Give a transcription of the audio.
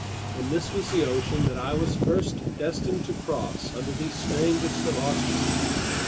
And this was the ocean that I was first destined to cross under these strangest of auspices.